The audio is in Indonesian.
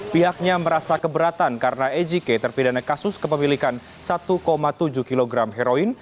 pihaknya merasa keberatan karena ejike terpidana kasus kepemilikan satu tujuh kg heroin